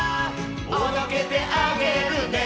「おどけてあげるね」